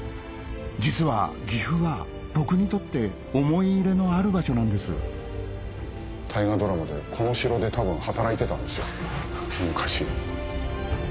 実は岐阜は僕にとって思い入れのある場所なんです大河ドラマでこの城で多分働いてたんですよ昔。